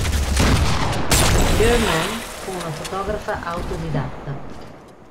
Biermann fu una fotografa autodidatta.